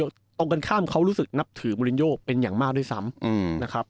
ตรงกันข้ามเขารู้สึกนับถือมูลินโยเป็นอย่างมากด้วยซ้ำนะครับ